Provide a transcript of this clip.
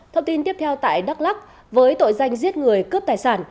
thông tin tiếp theo tại đắk lắc với tội danh giết người cướp tài sản